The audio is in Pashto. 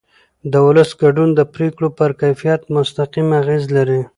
د ولس ګډون د پرېکړو پر کیفیت مستقیم اغېز لري